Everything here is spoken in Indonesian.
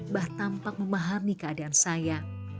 mbah tampak memahami keadaan saya